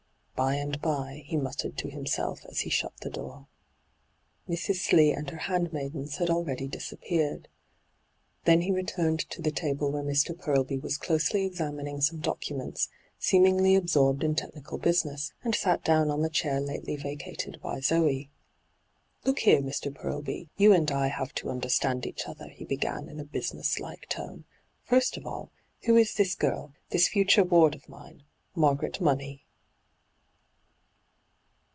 ' By and by,' he muttered to himself as he shut the door. Mrs. Slee and her hand maidens had already disappeared. Then he returned to the table where Mr. Purlby was closely examining some documents, seemingly absorbed in technical business, and sat down on the chair lately vacated by Zoe. * Look here, Mr. Purlby : you and I have to understand each other,* he began in a business like tone. ' First of all, who is this girl, this future ward of mine, Margaret Money